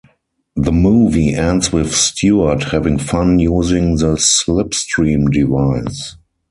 The movie ends with Stuart having fun using the Slipstream device.